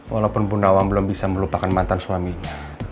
walaupun punawang belum bisa melupakan mantan suaminya